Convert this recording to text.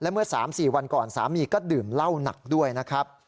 เมื่อ๓๔วันก่อนสามีก็ดื่มเหล้าหนักด้วยนะครับ